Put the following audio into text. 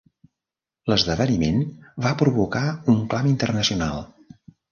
L'esdeveniment va provocar un clam internacional.